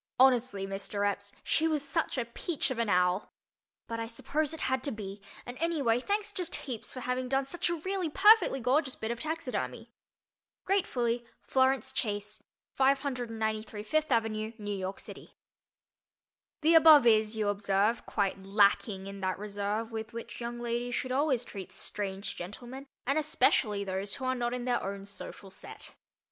Honestly, Mr. Epps, she was such a peach of an owl. But I suppose it had to be, and anyway, thanks just heaps for having done such a really perfectly gorgeous bit of taxidermy. Gratefully, FLORENCE CHASE. 593 Fifth Avenue, New York City. The above is, you observe, quite lacking in that reserve with which young ladies should always treat strange gentlemen and especially those who are not in their own social "set."